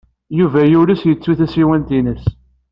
Yuba yules yettu tasiwant-nnes.